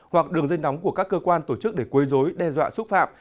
hoặc đường dây nóng của các cơ quan tổ chức để quê dối đe dọa xúc phạm